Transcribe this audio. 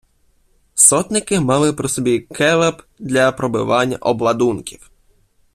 Сотники мали при собі келеп для пробивання обладунків.